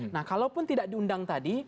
nah kalaupun tidak diundang tadi